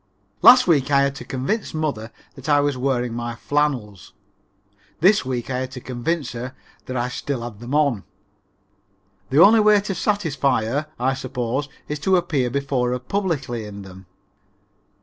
Last week I had to convince mother that I was wearing my flannels; this week I had to convince her I still had them on. The only way to satisfy her, I suppose, is to appear before her publicly in them.